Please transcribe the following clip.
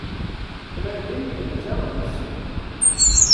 Kra din yenza di ssuq.